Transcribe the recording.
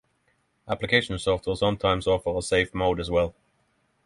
Application software sometimes offers a safe mode as well.